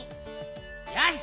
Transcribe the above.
よし！